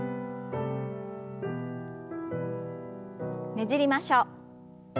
ねじりましょう。